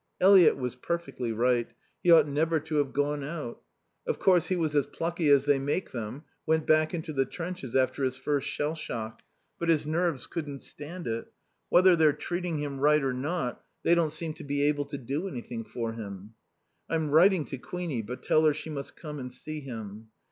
Eliot was perfectly right. He ought never to have gone out. Of course he was as plucky as they make them went back into the trenches after his first shell shock but his nerves couldn't stand it. Whether they're treating him right or not, they don't seem to be able to do anything for him. I'm writing to Queenie. But tell her she must come and see him.